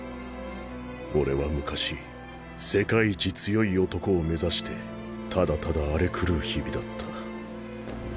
俺は昔世界一強い男を目指してただただ荒れ狂う日々だった。